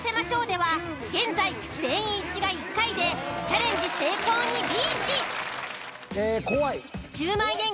では現在全員一致が１回でチャレンジ成功にリーチ。